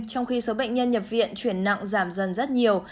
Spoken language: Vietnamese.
trong khi số bệnh nhân nhập viện chuyển nặng giảm dần rất nhiều